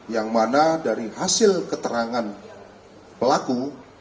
yang mana dari hasil keterangan pelaku